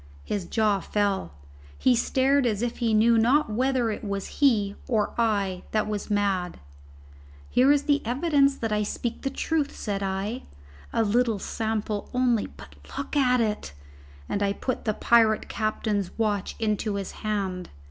His jaw fell; he stared as if he knew not whether it was he or I that was mad. "Here is evidence that I speak the truth," said I. "A little sample only but look at it!" And I put the pirate captain's watch into his hand.